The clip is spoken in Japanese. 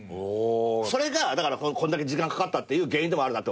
それがこんだけ時間かかったっていう原因でもあるなって思う。